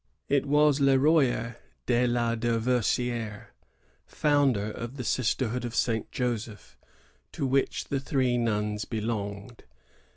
It was Le Royer de la Dauversidre, founder of the sister hood of St. Joseph, to which the three nuns belonged.